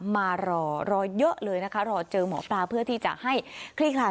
มารอรอเยอะเลยนะคะรอเจอหมอปลาเพื่อที่จะให้คลี่คลาย